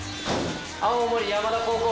青森山田高校。